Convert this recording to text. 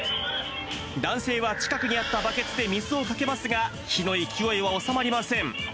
男性は近くにあったバケツで水をかけますが、火の勢いは収まりません。